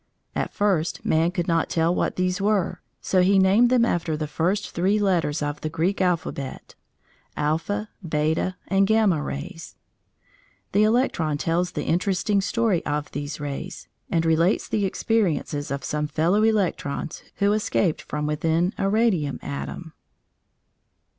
At first man could not tell what these were, so he named them after the first three letters of the Greek alphabet Alpha, Beta, and Gamma, rays. The electron tells the interesting story of these rays, and relates the experiences of some fellow electrons who escaped from within a radium atom.